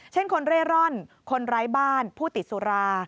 เช่นคนเร่ร่อนคนไร้บ้านผู้ติดสุรา